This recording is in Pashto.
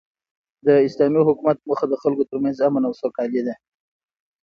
د اسلامي حکومت موخه د خلکو تر منځ امن او سوکالي ده.